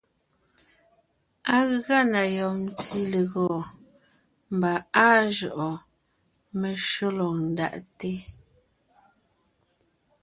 Á gʉa na yɔb ntí legɔɔn, mbà áa jʉʼɔɔn, meshÿó lɔg ńdaʼte.